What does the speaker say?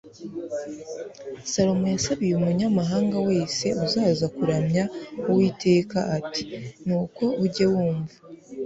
salomo yasabiye umunyamahanga wese uzaza kuramya uwiteka ati nuko ujye wumva